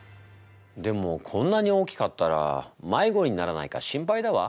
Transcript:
でもこんなに大きかったらまいごにならないか心配だわ。